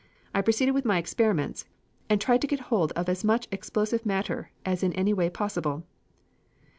I proceeded with my experiments and tried to get hold of as much explosive matter as in any way possible.